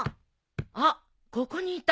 あっここにいた。